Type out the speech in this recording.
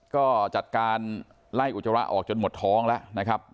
ก็จัดการไล่อุจจาระออกจนหมดท้องแล้วนะครับ